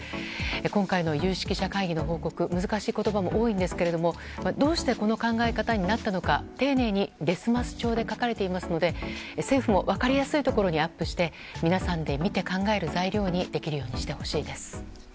今回の有識者会議の報告難しい言葉も多いんですけれどもどうしてこの考え方になったのか丁寧に、ですます調で書かれていますので政府も分かりやすいところにアップして皆さんで見て考える材料にできるようにしてほしいです。